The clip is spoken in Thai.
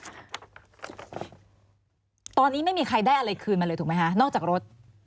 ตอนนี้ไม่มีใครได้อะไรคืนมาเลยถูกไหมคะนอกจากรถ